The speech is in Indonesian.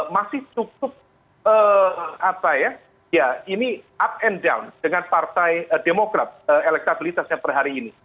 masih cukup up and down dengan partai demokrasi elektabilitasnya per hari ini